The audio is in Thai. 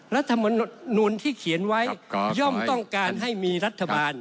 รัฐมนุนที่เขียนไว้ย่อมต้องการให้มีรัฐบาล